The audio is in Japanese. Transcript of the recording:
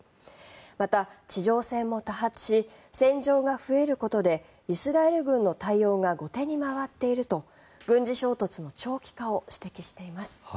また、地上戦も多発し戦場が増えることでイスラエル軍の対応が後手に回っていると軍事衝突の長期化を指摘しています。